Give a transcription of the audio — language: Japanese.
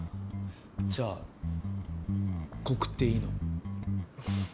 じゃあコクっていいの？